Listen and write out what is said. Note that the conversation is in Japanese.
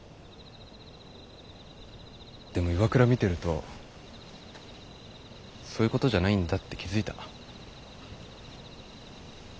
でも岩倉見てるとそういうことじゃないんだって気付いた。